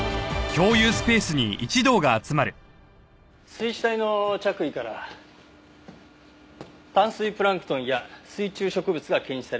水死体の着衣から淡水プランクトンや水中植物が検出されました。